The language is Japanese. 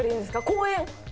公園。